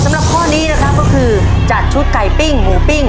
มีกำหนดข้อบังคับ